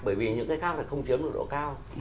bởi vì những cái khác là không chiếm được độ cao